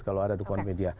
kalau ada dukungan media